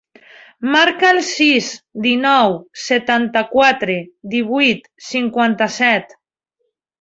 Marca el sis, dinou, setanta-quatre, divuit, cinquanta-set.